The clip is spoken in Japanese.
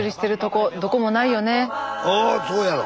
ああそうやろ！